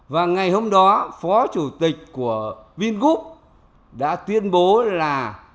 và ngày hôm đó phó chủ tịch của vingroup đã tuyên bố là